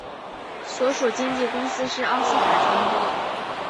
所属经纪公司是奥斯卡传播。